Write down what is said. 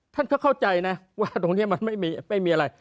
ท่านก็เข้าใจนะว่าตรงนี้มันไม่มีอะไร